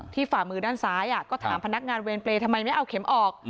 ฝ่ามือด้านซ้ายก็ถามพนักงานเวรเปรย์ทำไมไม่เอาเข็มออก